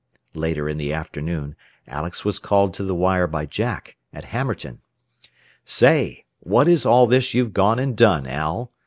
Later in the afternoon Alex was called to the wire by Jack, at Hammerton. "Say, what is all this you've gone and done, Al?"